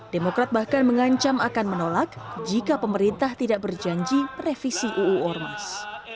demokrat bahkan mengancam akan menolak jika pemerintah tidak berjanji revisi uu ormas